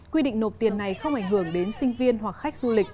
quy định nộp tiền này không ảnh hưởng đến sinh viên hoặc khách du lịch